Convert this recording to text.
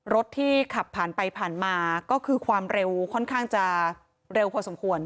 รถที่ขับผ่านไปผ่านมาก็คือความเร็วค่อนข้างจะเร็วพอสมควร